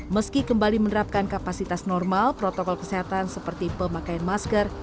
meski kembali menerapkan kapasitas normal protokol kesehatan seperti pemakaian masker